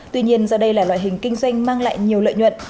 tuy nhiên do đây là loại hình kinh doanh mang lại nhiều lợi nhuận